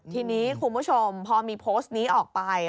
ทีนี้คุณผู้ชมพอมีโพสต์นี้ออกไป